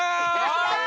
やった！